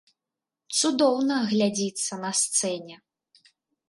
Цудоўна глядзіцца на сцэне.